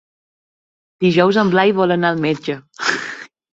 Dijous en Blai vol anar al metge.